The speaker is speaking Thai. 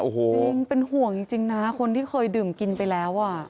จริงเป็นห่วงจริงนะคนที่เคยดื่มกินไปแล้ว